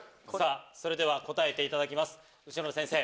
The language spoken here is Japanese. それでは答えていただきます内村先生。